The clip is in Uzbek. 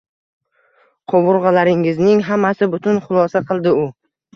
Qovurg`alaringizning hammasi butun, xulosa qildi u